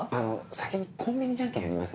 先にコンビニじゃんけんやりません？